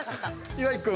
岩井君。